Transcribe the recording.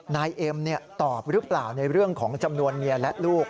นายเอ็มตอบหรือเปล่าในเรื่องของจำนวนเมียและลูก